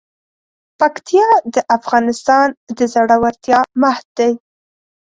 پکتیا د افغانستان د زړورتیا مهد دی.